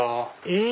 え⁉